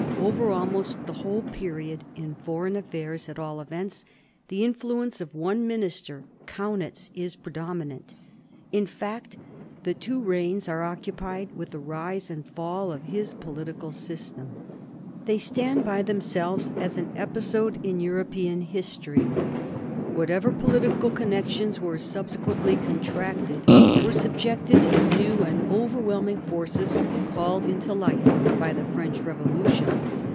Over almost the whole period, in foreign affairs at all events, the influence of one minister, Kaunitz, is predominant; in fact the two reigns are occupied ■^ with the rise and fall of his political system. They >: stand by themselves as an episode in European history. i » 3 VI MARIA THERESA Whatever political connections were subsequently con tracted were subjected to the new and overwhelming forces called into life by the French Ee volution.